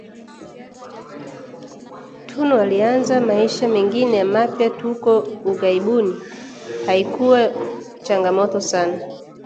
Tunu alianza maisha mengine mapya huko ughaibuni; haikua changamoto sana